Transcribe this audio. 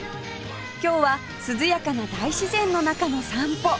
今日は涼やかな大自然の中の散歩